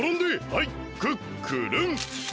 はいクックルン！